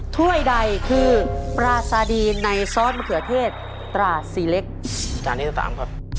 ถ้วยใดคือปราซาดีในซอสมะเขือเทศตราสีเล็กจานที่จะสามครับ